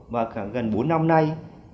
và gần bốn năm nay